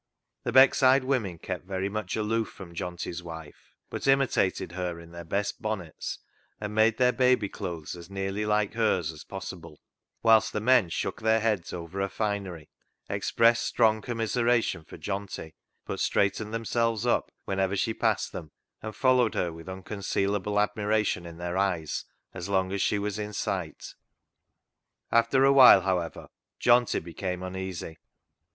The Beckside women kept very much aloof from Johnty's wife, but imitated her in their best bonnets, and made their baby clothes as nearly like hers as possible ; whilst the men shook their heads over her finery, expressed strong commiseration for Johnty, but straightened themselves up whenever she passed them, and followed her with unconcealable admiration in their eyes as long as she was in sight. After a while, however, Johnty became un easy.